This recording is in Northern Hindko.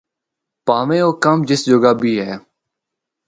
پاویں او کم جس جوگا بھی اے۔